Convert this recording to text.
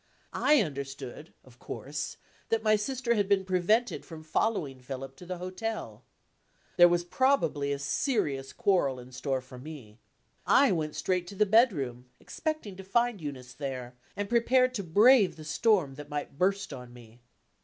I understood, of course, that my sister had been prevented from following Philip to the hotel. There was probably a serious quarrel in store for me. I went straight to the bedroom, expecting to find Eunice there, and prepared to brave the storm that might burst on me.